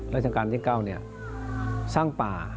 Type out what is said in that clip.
ราชการที่๙สร้างป่า